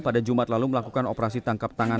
pada jumat lalu melakukan operasi tangkap tangan